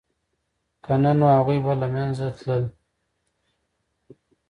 که نه نو هغوی به له منځه تلل